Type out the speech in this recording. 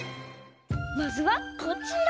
まずはこちら。